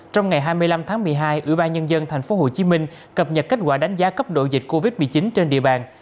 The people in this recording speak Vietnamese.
trong ngày hai mươi năm tháng một mươi hai ủy ban nhân dân tp hcm cập nhật kết quả đánh giá cấp độ dịch covid một mươi chín trên địa bàn